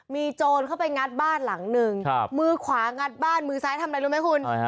มีโจรเข้าไปงัดบ้านหลังนึงมือขวางัดบ้านมือซ้ายทำอะไรรู้ไหมคุณ